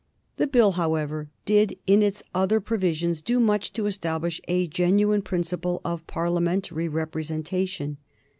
The Bill, however, did, in its other provisions, do much to establish a genuine principle of Parliamentary representation.